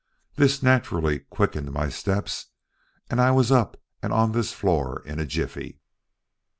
This naturally quickened my steps and I was up and on this floor in a jiffy."